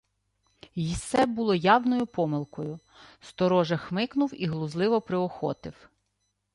Й се було явною помилкою. Сторожа хмикнув і глузливо приохотив: